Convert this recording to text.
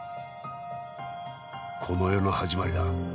この世の始まりだ。